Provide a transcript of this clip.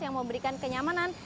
yang memberikan kenyamanan